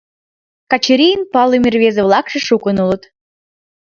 Качырийын палыме рвезе-влакше шукын улыт.